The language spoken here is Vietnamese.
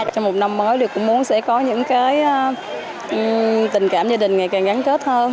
trong một năm mới thì cũng muốn sẽ có những tình cảm gia đình ngày càng gắn kết hơn